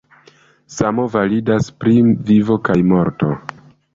Samo validas pri vivo kaj morto.